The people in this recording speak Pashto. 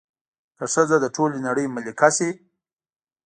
که ښځه د ټولې نړۍ ملکه شي